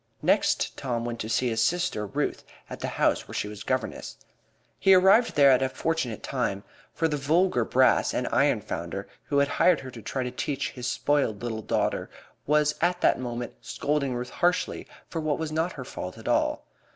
Next Tom went to see his sister Ruth at the house where she was governess. He arrived there at a fortunate time, for the vulgar brass and iron founder who had hired her to try to teach his spoiled little daughter was at that moment scolding Ruth harshly for what was not her fault at all.